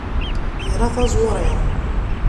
Ira taẓuri.